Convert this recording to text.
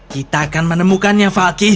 kita akan menemukannya falky